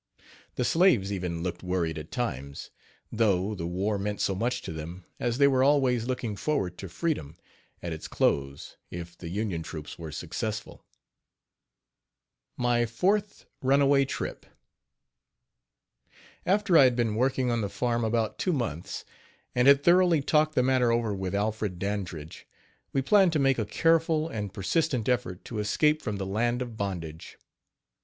The slaves even looked worried at times, though the war meant so much to them, as they were always looking forward to freedom, at its close, if the Union troops were successful. MY FOURTH RUNAWAY TRIP. After I had been working on the farm about two months, and had thoroughly talked the matter over with Alfred Dandridge, we planned to make a careful and persistent effort to escape from the land of bondage.